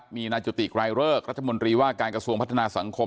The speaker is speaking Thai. มีนายจุติกรายเริกรัฐมนตรีว่าการกระทรวงพัฒนาสังคม